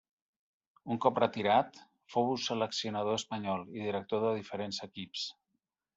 Un cop retirat, fou seleccionador espanyol i director de diferents equips.